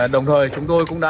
đồng thời chúng tôi cũng đã